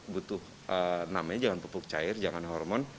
butuh namanya jangan pupuk cair jangan hormon